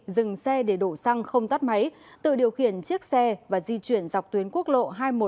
dừng xe để đổ xăng không tắt máy tự điều khiển chiếc xe và di chuyển dọc tuyến quốc lộ hai trăm một mươi